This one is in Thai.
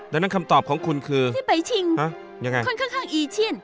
ดังนั้นคำตอบของคุณคือที่ไปชิงค่อนข้างอีเชียน